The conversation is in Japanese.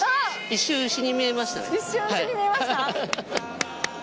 一瞬牛に見えました